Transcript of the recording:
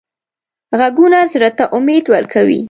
غږونه زړه ته امید ورکوي